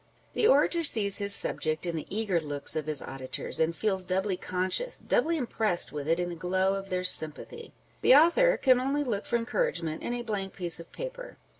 The orator sees his subject in the eager looks of his auditors; and feels doubly conscious, doubly impressed with it in the glow of their sympathy ; the author can only look for encouragement in a blank piece of paper.